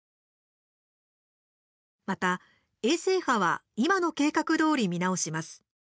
また、衛星波は今の計画どおり見直します。